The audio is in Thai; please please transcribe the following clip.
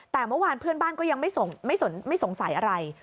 แต่เมื่อวานเพื่อนบ้านก็ยังไม่สงสัยอะไร